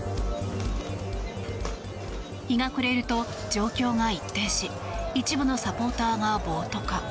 日が暮れると、状況が一変し一部のサポーターが暴徒化。